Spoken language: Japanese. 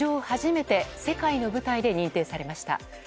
初めて世界の舞台で認定されました。